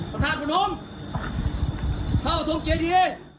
พระธาตุพระนมพระพระธมเจดีย์